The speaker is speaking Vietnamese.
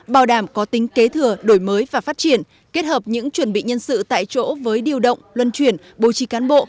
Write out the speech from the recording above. bảo đảm có tính kế thừa đổi mới và phát triển kết hợp những chuẩn bị nhân sự tại chỗ với điều động luân chuyển bố trí cán bộ